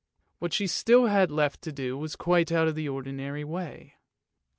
What she still had left to do was quite out of the ordinary way.